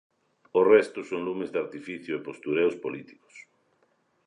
O resto son lumes de artificio e postureos políticos.